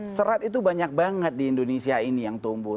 serat itu banyak banget di indonesia ini yang tumbuh